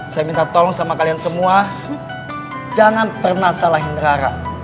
saya minta tolong sama kalian semua jangan pernah salahin rara